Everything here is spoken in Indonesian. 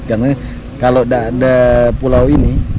karena kalau nggak ada pulau ini